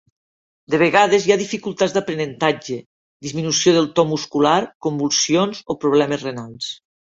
De vegades, hi ha dificultats d'aprenentatge, disminució del to muscular, convulsions o problemes renals.